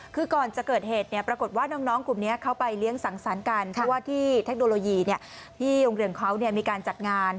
คือก่อนจะเกิดเหตุปรากฏว่าน้องกลุ่มนี้เขาไปเลี้ยงสังสรรค์กันเพราะว่าที่เทคโนโลยีที่โรงเรียนเขามีการจัดงาน